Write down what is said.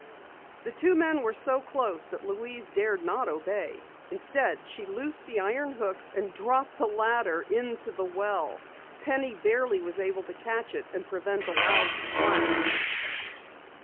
The two men were so close that Louise dared not obey. Instead she loosed the iron hooks and dropped the ladder into the well. Penny barely was able to catch it and prevent a loud splash.